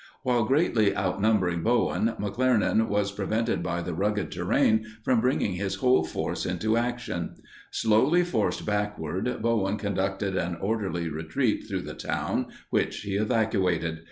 While greatly outnumbering Bowen, McClernand was prevented by the rugged terrain from bringing his whole force into action. Slowly forced backward, Bowen conducted an orderly retreat through the town, which he evacuated.